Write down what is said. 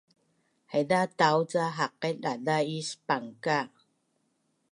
Haiza taau ca haqail daza’is pangka’